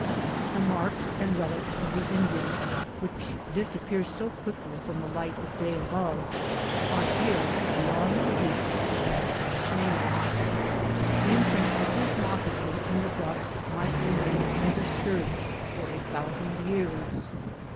The marks and relics of the Indian, which dis appear so quickly from the light of day above, are here beyond the reach of natural change. The imprint of his moccasin in the dust might remain undisturbed for a thousand years.